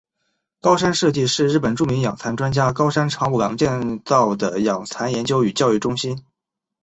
高山社迹是日本著名养蚕专家高山长五郎建造的养蚕研究与教育中心。